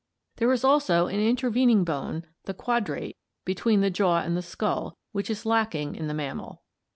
There is also an intervening bone, the quadrate, between the jaw and the skull, which is lacking in the mammal.